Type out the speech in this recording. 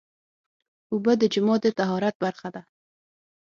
اوبه د جومات د طهارت برخه ده.